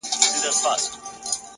خپل مسیر د پوهې او عمل په رڼا جوړ کړئ’